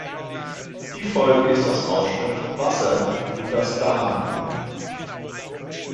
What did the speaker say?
Die Folge ist das Ausströmen von Wasser in das Darmlumen.